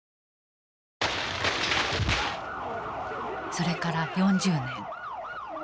それから４０年。